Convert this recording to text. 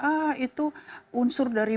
ah itu unsur dari